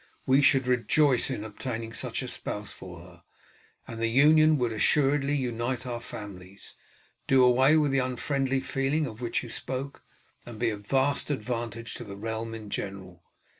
We should rejoice in obtaining such a spouse for her, and the union would assuredly unite our families, do away with the unfriendly feeling of which you spoke, and be of vast advantage to the realm in general.